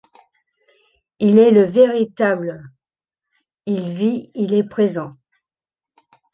Il est le véritable ! Il vit. Il est présent.